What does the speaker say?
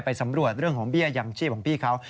สำรวจเรื่องของเบี้ยยังชีพของพี่เขา